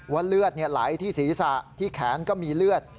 ว่าเลือดไหลที่ศีรษะที่แขนก็มีเลือด